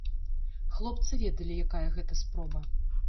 Хлопцы ведалі, якая гэта спроба.